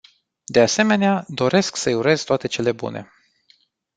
De asemenea, doresc să-i urez toate cele bune.